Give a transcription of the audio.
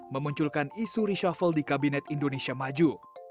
memunculkan isu reshuffle di kabinet indonesia maju